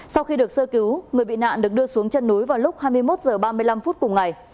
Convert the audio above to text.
sau khi được sơ cứu người bị nạn được đưa xuống chân núi vào lúc hai mươi một h ba mươi năm phút cùng ngày